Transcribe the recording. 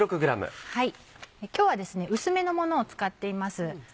今日はですね薄めのものを使っています。